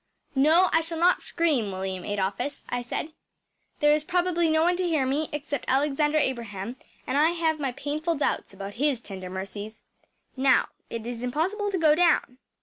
“No, I shall not scream, William Adolphus,‚ÄĚ I said. “There is probably no one to hear me except Alexander Abraham, and I have my painful doubts about his tender mercies. Now, it is impossible to go down.